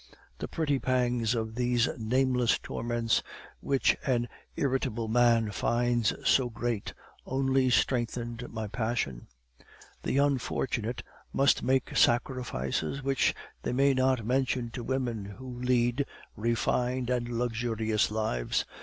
The petty pangs of these nameless torments, which an irritable man finds so great, only strengthened my passion. "The unfortunate must make sacrifices which they may not mention to women who lead refined and luxurious lives.